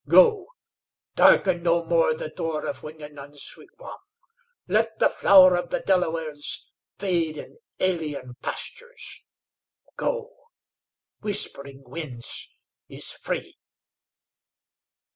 "Go. Darken no more the door of Wingenund's wigwam. Let the flower of the Delawares fade in alien pastures. Go. Whispering Winds is free!"